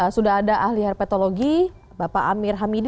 sudah ada ahli herpetologi bapak amir hamidi